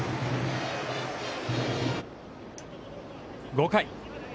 ５回。